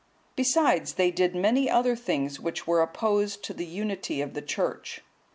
(164) Besides, they did many other things which were opposed to the unity of the church.